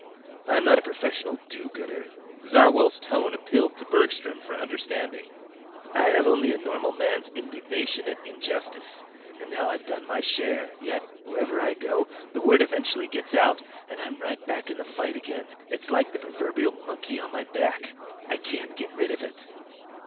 "I'm not a professional do gooder." Zarwell's tone appealed to Bergstrom for understanding. "I have only a normal man's indignation at injustice. And now I've done my share. Yet, wherever I go, the word eventually gets out, and I'm right back in a fight again. It's like the proverbial monkey on my back. I can't get rid of it."